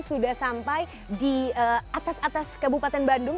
sudah sampai di atas atas kabupaten bandung